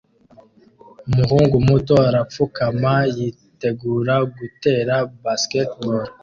Umuhungu muto arapfukama yitegura gutera basketball